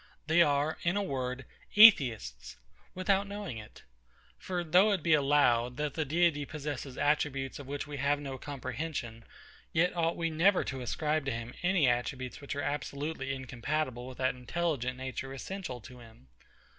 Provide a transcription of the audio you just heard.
They are, in a word, Atheists, without knowing it. For though it be allowed, that the Deity possesses attributes of which we have no comprehension, yet ought we never to ascribe to him any attributes which are absolutely incompatible with that intelligent nature essential to him.